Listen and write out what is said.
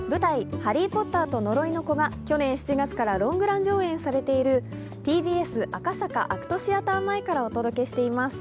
「ハリー・ポッターと呪いの子」が去年７月からロングラン上映されているＴＢＳ赤坂ＡＣＴシアター前からお届けしています。